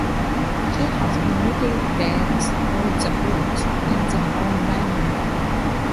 He has already read all the books in the home library.